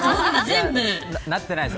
なってないです。